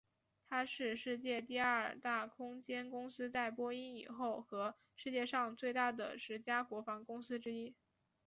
它是世界第二大空间公司在波音以后和世界上最大的十家国防公司之一。